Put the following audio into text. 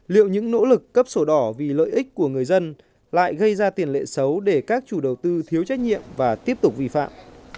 liệu những nỗ lực cấp sổ đỏ vì lợi ích của người dân lại gây ra tiền lệ xấu để các chủ đầu tư thiếu trách nhiệm và tiếp tục vi phạm